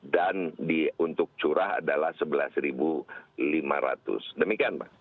dan untuk curah adalah rp sebelas lima ratus demikian pak